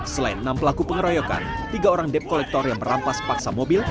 selain enam pelaku pengeroyokan tiga orang debt collector yang merampas paksa mobil